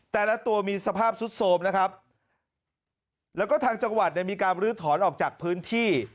แต่ละตัวมีสภาพสุดโสมนะครับแล้วก็ทางจังหวัดเนี่ยมีการบรื้อถอนออกจากพื้นที่